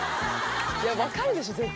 いやわかるでしょ絶対。